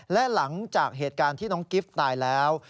และหลังจากเหตุการณ์ที่น้องกิฟต์ตายแล้ว